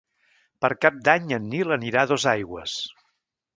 Per Cap d'Any en Nil anirà a Dosaigües.